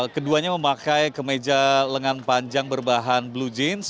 keduanya memakai kemeja lengan panjang berbahan blue jeans